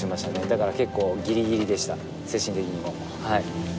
だから結構ギリギリでした精神的にもはい。